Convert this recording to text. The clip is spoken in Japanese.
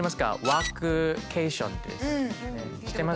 「ワーケーション」です。